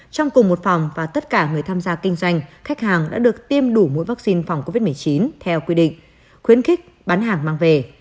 trong cùng một phòng và tất cả người tham gia kinh doanh khách hàng đã được tiêm đủ mũi vaccine phòng covid một mươi chín theo quy định khuyến khích bán hàng mang về